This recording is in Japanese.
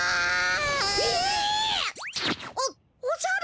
おおじゃる。